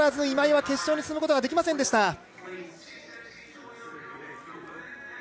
今井は決勝に進むことができませんでした。